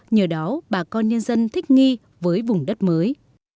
nhờ đó bà con nhân dân thích nghi với vùng đất mới